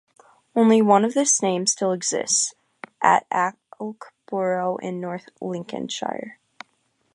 Only one of this name still exists, at Alkborough in North Lincolnshire.